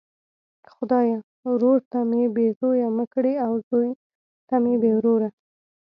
خدایه ورور ته مي بې زویه مه کړې او زوی ته بې وروره!